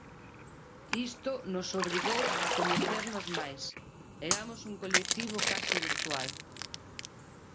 Isto nos obrigou a coñecernos máis, eramos un colectivo case virtual.